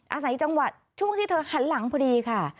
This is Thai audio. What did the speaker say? อาศัยจังหวัดช่วงที่เธอหันหลังพอดีค่ะ